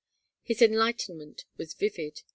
His enlightenment was vivid.